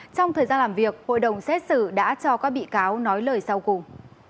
trong thời gian làm việc hội đồng xét xử đã cho các bị cáo nói lời sau cùng